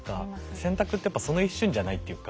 選択ってやっぱその一瞬じゃないっていうか